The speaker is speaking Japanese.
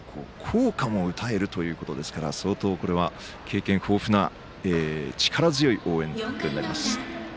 校歌も歌えるということですから経験豊富な力強い応援団になります。